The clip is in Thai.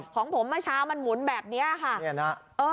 ของผมเมื่อเช้ามันหมุนแบบนี้ค่ะ